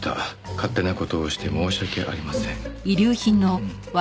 「勝手なことをして申し訳ありません」